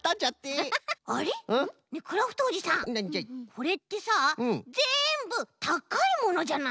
これってさぜんぶ「たかいもの」じゃない？